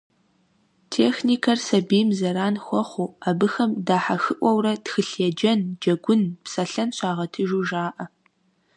Техникэр сабийм зэран хуэхъуу, абыхэм дахьэхыӀуэурэ тхылъ еджэн, джэгун, псэлъэн щагъэтыжу жаӀэ.